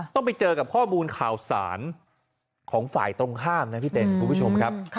ต้องไปเจอกับข้อมูลข่าวสารของฝ่ายตรงข้ามนะพี่เต้นคุณผู้ชมครับ